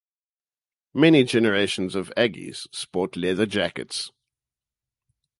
Many generations of Aggies sport leather jackets.